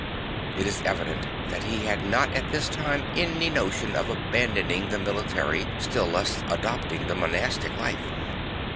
It is evident that he had not at this time any notion of abandoning the military, still less of adopting the monastic life.